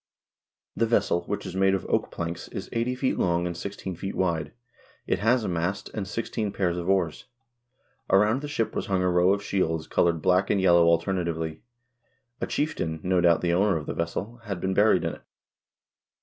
The vessel, which is made of oak planks, is eighty feet long, and sixteen feet wide. It has a mast, and sixteen pairs of oars. Around the ship was hung a row of shields colored black and yellow alternately. A chieftain, no doubt the owner of the vessel, had been buried in it.